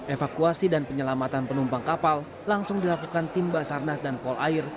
evakuasi dan penyelamatan penumpang kapal langsung dilakukan tim basarnas dan polair